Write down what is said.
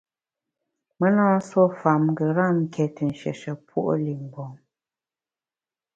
Me na nsuo fam ngeram ké te nshiéshe puo’ li mgbom.